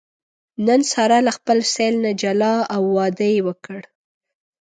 نن ساره له خپل سېل نه جلا او واده یې وکړ.